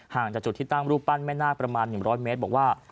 จากจุดที่ตั้งรูปปั้นแม่นาคประมาณ๑๐๐เมตรบอกว่า